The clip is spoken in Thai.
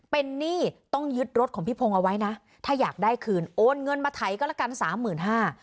เป็นหนี้ต้องยึดรถของพี่พงศ์เอาไว้นะถ้าอยากได้คืนโอนเงินมาไถก็ละกันสามหมื่นห้า